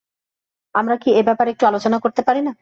আমরা কি এ ব্যাপারে একটু আলোচনা করতে পারি না?